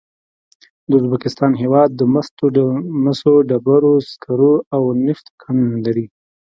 د ازبکستان هېواد د مسو، ډبرو سکرو او نفتو کانونه لري.